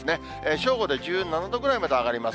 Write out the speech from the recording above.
正午で１７度ぐらいまで上がります。